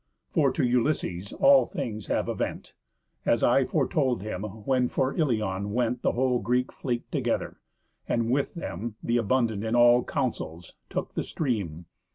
For to Ulysses all things have event, As I foretold him, when for Ilion went The whole Greek fleet together, and with them Th' abundant in all counsels took the stream.